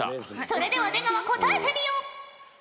それでは出川答えてみよ！